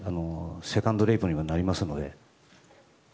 セカンドレイプになりますので。